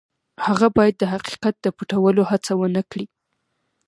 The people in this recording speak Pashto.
هغه باید د حقیقت د پټولو هڅه ونه کړي.